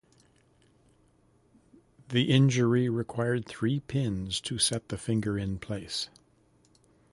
The injury required three pins to set the finger in place.